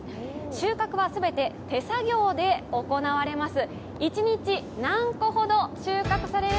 収穫は全て手作業で行われます。